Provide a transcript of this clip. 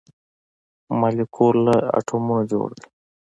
مالیکول له اتومونو جوړ دی